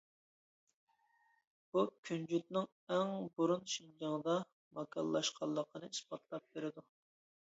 بۇ كۈنجۈتنىڭ ئەڭ بۇرۇن شىنجاڭدا ماكانلاشقانلىقىنى ئىسپاتلاپ بېرىدۇ.